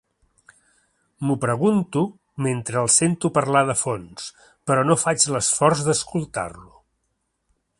M'ho pregunto mentre el sento parlar de fons, però no faig l'esforç d'escoltar-lo.